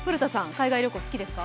海外旅行、好きですか？